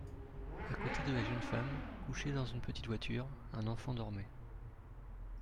A côté de la jeune femme, couché dans une petite voiture, un enfant dormait.